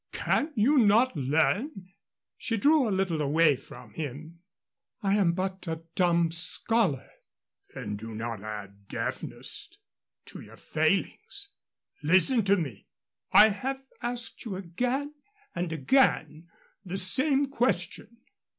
Can you not learn " She drew a little away from him. "I am but a dumb scholar." "Then do not add deafness to your failings. Listen to me. I have asked you again and again the same question.